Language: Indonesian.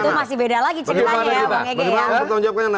itu masih beda lagi ceritanya ya bang ege ya